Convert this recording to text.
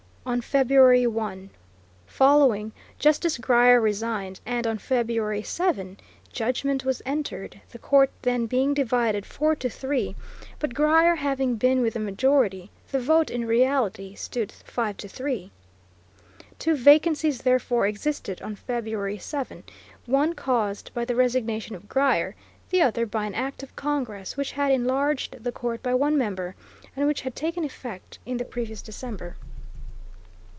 On February 1, following, Justice Grier resigned, and, on February 7, judgment was entered, the court then being divided four to three, but Grier having been with the majority, the vote in reality stood five to three. Two vacancies therefore existed on February 7, one caused by the resignation of Grier, the other by an act of Congress which had enlarged the court by one member, and which had taken effect in the previous December.